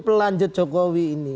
pelanjut jokowi ini